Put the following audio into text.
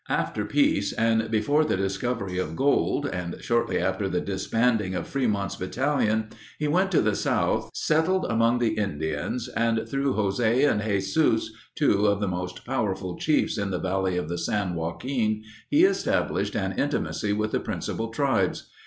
After peace and before the discovery of gold, and shortly after the disbanding of Frémont's battalion, he went to the south, settled among the Indians, and through José and Jésus, two of the most powerful chiefs in the valley of the San Joaquin, he established an intimacy with the principal tribes.